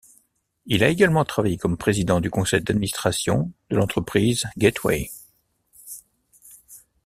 Il a également travaillé comme président du conseil d'administration de l'entreprise Gateway.